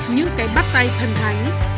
những cái bắt tay thần thánh